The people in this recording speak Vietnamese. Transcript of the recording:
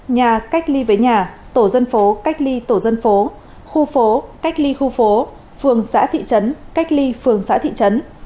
nhà cách ly với nhà tổ dân phố cách ly tổ dân phố khu phố cách ly khu phố phường xã thị trấn cách ly phường xã thị trấn